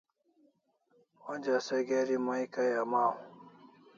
Onja se geri mai kai amaw